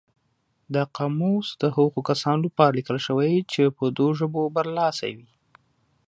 دا قاموس د هغو کسانو لپاره لیکل شوی چې په دوو ژبو برلاسي وي.